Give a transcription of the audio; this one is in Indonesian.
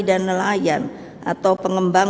dan nelayan atau pengembang